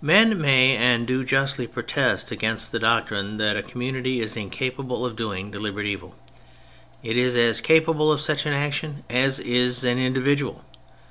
Men may and do justly protest against the doctrine that a community is incapable of doing deliberate evil ; it is as capable of such an action as is an individual.